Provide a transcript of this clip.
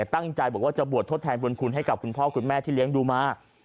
ตั้งใจบอกว่าจะบวชทดแทนบุญคุณให้กับคุณพ่อคุณแม่ที่เลี้ยงดูมา